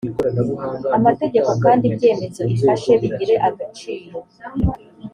amategeko kandi ibyemezo ifashe bigire agaciro